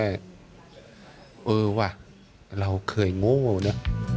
เออว่ะเราเคยโง่นะ